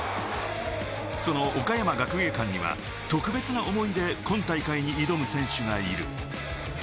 その岡山学芸館には特別な思いで今大会に挑む選手がいる。